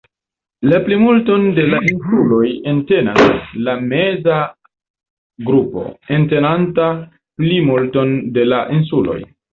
La plimulton de la insuloj entenas la meza grupo, entenanta plimulton de la insuloj.